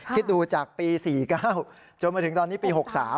คิดดูจากปี๔๙จนมาถึงตอนนี้ปี๖๓